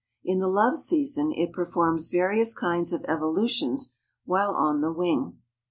In the love season it performs various kinds of evolutions while on the wing.